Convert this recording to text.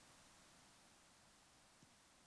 په خپل لاس کار کول عزت دی.